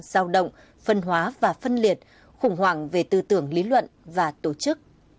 giao động phân hóa và phân liệt khủng hoảng về tư tưởng lý luận và tổ chức